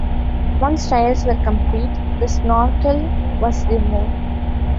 Once trials were complete the Snorkel was removed.